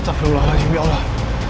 astagfirullahaladzim ya allah